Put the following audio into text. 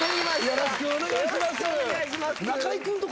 よろしくお願いします。